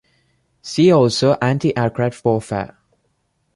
See also antiaircraft warfare.